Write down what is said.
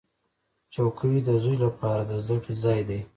چوکۍ د زوی لپاره د زده کړې ځای دی.